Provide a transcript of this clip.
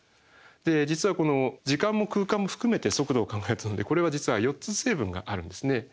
実はこの時間も空間も含めて速度を考えたのでこれは実は４つ成分があるんですね。